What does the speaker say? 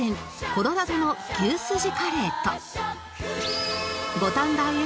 コロラドの牛すじカレーと五反田あげ